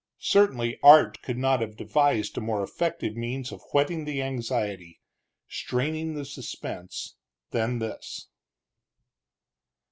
Certainly art could not have devised a more effective means of whetting the anxiety, straining the suspense, than this.